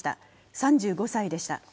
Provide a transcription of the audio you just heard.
３５歳でした。